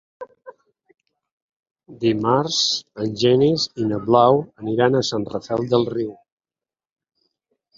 Dimarts en Genís i na Blau aniran a Sant Rafel del Riu.